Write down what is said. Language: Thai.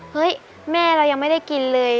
เฮ้ยแม่เรายังไม่ได้กินเลย